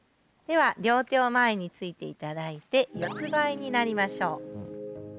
では両手を前についていただいて四つばいになりましょう。